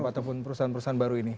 ataupun perusahaan perusahaan baru ini